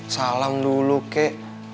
salam dulu kek